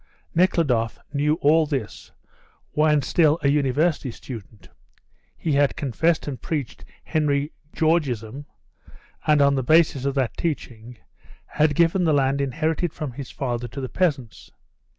Nekhludoff knew all this when still a university student, he had confessed and preached Henry Georgeism, and, on the basis of that teaching, had given the land inherited from his father to the peasants.